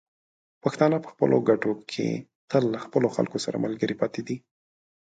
پښتانه په خپلو ګټو کې تل له خپلو خلکو سره ملګري پاتې دي.